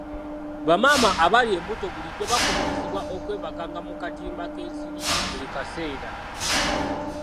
Bamaama abali embuto bulijjo bakubirizibwa okwebakanga mu katimba k'ensiri buli kaseera.